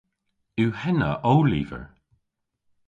Yw henna ow lyver?